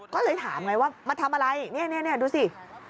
ก็เลยถามไงว่ามาทำอะไรเนี่ยดูสิ